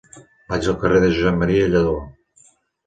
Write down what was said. Vaig al carrer de Josep M. Lladó.